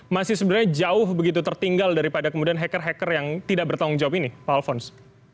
masih sebenarnya jauh begitu tertinggal daripada kemudian hacker hacker yang tidak bertanggung jawab ini pak alfons